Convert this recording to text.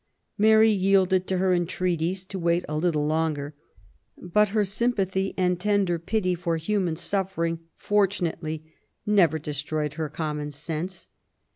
Mary yielded to her entreaties to wait a little longer ; but her sympathy and tender pity for human suffering fortunately never destroyed her common sense.